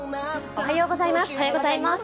おはようございます。